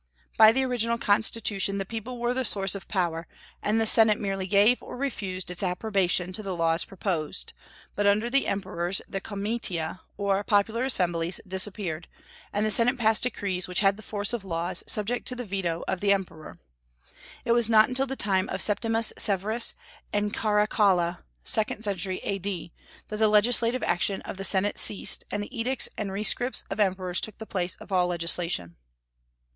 By the original constitution the people were the source of power, and the senate merely gave or refused its approbation to the laws proposed; but under the emperors the comitia, or popular assemblies, disappeared, and the senate passed decrees which had the force of laws, subject to the veto of the Emperor. It was not until the time of Septimus Severus and Caracalla (second century A.D.) that the legislative action of the senate ceased, and the edicts and rescripts of emperors took the place of all legislation.